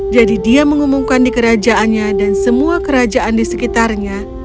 jadi dia mengumumkan di kerajaannya dan semua kerajaan di sekitarnya